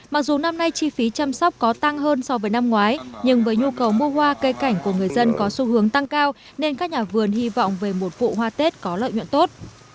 mặc dù năm nay chi phí chăm sóc có tăng hơn so với năm ngoái nhưng với nhu cầu mua hoa cây cảnh của người dân có xu hướng tăng cao nên các nhà vườn hy vọng về một vụ hoa tết có lợi nhuận tốt